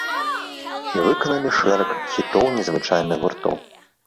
І выканалі шэраг хітоў незвычайных гуртоў.